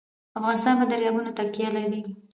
افغانستان په دریابونه باندې تکیه لري.